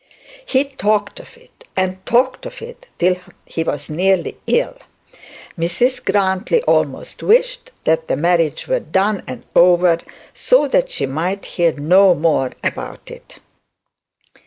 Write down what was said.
He talked of it, and talked of it till he was nearly ill. Mrs Grantly almost wished that the marriage was done and over, so that she might hear no more about it.